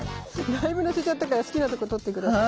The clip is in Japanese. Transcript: だいぶのせちゃったから好きなとこ撮って下さい。